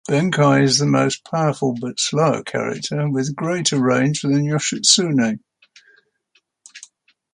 Benkei is the more powerful but slower character, with greater range than Yoshitsune.